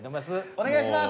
お願いします。